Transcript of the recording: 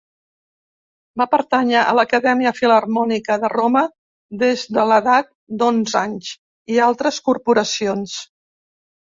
Va pertànyer a l'Acadèmia Filharmònica de Roma, des de l'edat d'onze anys, i altres corporacions.